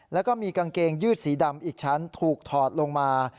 แล้วก็มีกางเกงยืดสีดำอีกชั้นถูกถอดลงมา